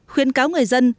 khuyến cáo người dân